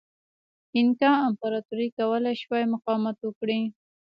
اینکا امپراتورۍ کولای شوای مقاومت وکړي.